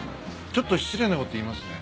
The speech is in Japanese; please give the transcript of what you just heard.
ちょっと失礼なこと言いますね。